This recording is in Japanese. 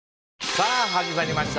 さあ始まりました